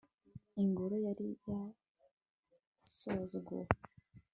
ingoro yari yarasuzuguwe